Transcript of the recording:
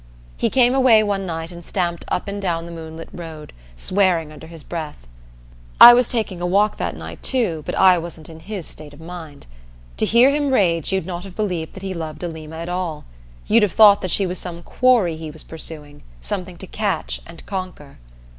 He came away one night, and stamped up and down the moonlit road, swearing under his breath. I was taking a walk that night too, but I wasn't in his state of mind. To hear him rage you'd not have believed that he loved Alima at all you'd have thought that she was some quarry he was pursuing, something to catch and conquer.